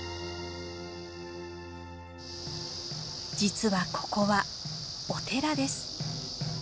実はここはお寺です。